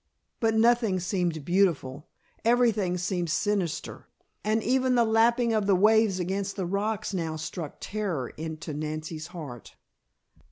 But nothing seemed beautiful; everything seemed sinister, and even the lapping of the waves against the rocks now struck terror into Nancy's heart.